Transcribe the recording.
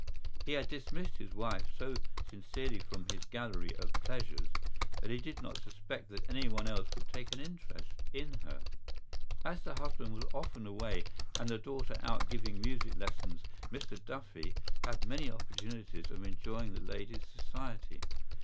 He had dismissed his wife so sincerely from his gallery of pleasures that he did not suspect that anyone else would take an interest in her. As the husband was often away and the daughter out giving music lessons Mr Duffy had many opportunities of enjoying the lady's society.